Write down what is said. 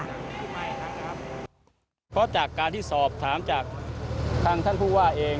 เพราะจากการที่สอบถามจากทางท่านผู้ว่าเอง